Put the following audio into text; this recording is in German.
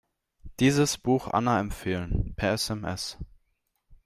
Dieses Buch Anna empfehlen, per SMS.